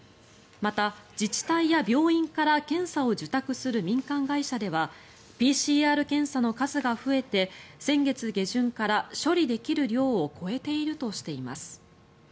また、自治体や病院から検査を受託する民間会社ではＰＣＲ検査の数が増えて先月下旬から処理できる量を超えているとしています。